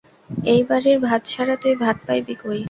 এই বাড়ির ভাত ছাড়া তুই ভাত পাইবি কই?